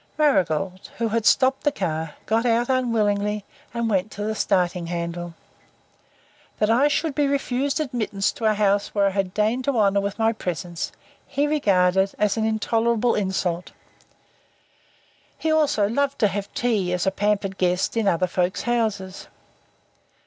Marigold, who had stopped the car, got out unwillingly and went to the starting handle. That I should be refused admittance to a house which I had deigned to honour with my presence he regarded as an intolerable insult. He also loved to have tea, as a pampered guest, in other folks' houses.